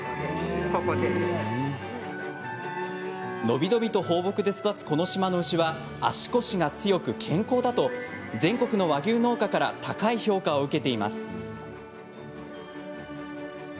伸び伸びと放牧で育つこの島の牛は足腰が強く健康だと全国の和牛農家から高い評価を受けています。